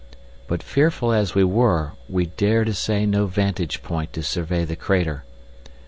But fearful as we were we dared essay no vantage point to survey the crater.